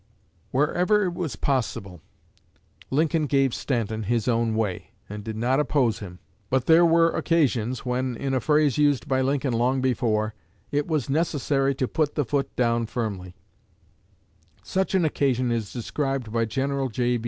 Wherever it was possible, Lincoln gave Stanton his own way, and did not oppose him. But there were occasions when, in a phrase used by Lincoln long before, it was "necessary to put the foot down firmly." Such an occasion is described by General J.